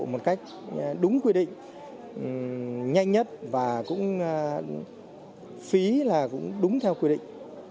một cách đúng quy định nhanh nhất và cũng phí là cũng đúng theo quy định